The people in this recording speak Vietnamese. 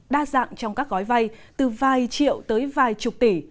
đa dạng trong các gói vay từ vài triệu tới vài chục tỷ